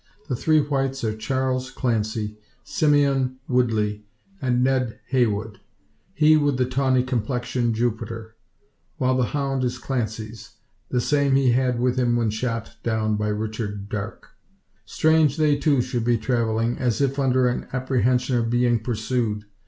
The three whites are Charles Clancy, Simeon Woodley, and Ned Heywood; he with the tawny complexion Jupiter; while the hound is Clancy's the same he had with him when shot down by Richard Darke. Strange they too should be travelling, as if under an apprehension of being pursued!